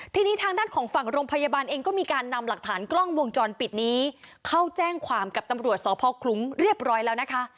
ทีนี้ทางด้านของฝั่งโรงพยาบาลเองก็มีการนำหลักฐานกล้องวงจรปิดนี้เข้าแจ้งความกับตำรวจสพคลุ้งเรียบร้อยแล้วนะคะ